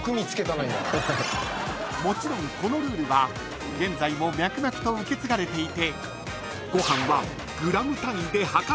［もちろんこのルールは現在も脈々と受け継がれていて］